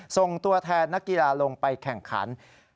ส่งตัวแทนนักกีฬาลงไปแข่งขัน